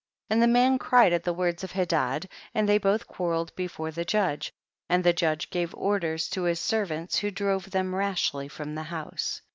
40. And the man cried at the words of Hedad and they both quar reled before the judge, and the judge gave orders to his servants, who drove them rashly from the house.